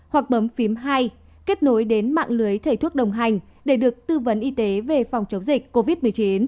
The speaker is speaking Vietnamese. hoặc bấm phím hai kết nối đến mạng lưới thầy thuốc đồng hành để được tư vấn y tế về phòng chống dịch covid một mươi chín